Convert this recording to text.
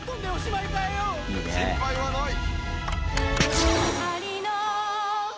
心配はない。